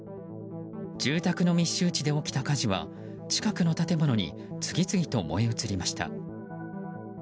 住宅の密集地で起きた火事は近くの建物に次々と燃え移りました。